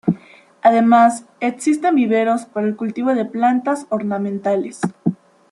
Además existen viveros para el cultivo de plantas ornamentales.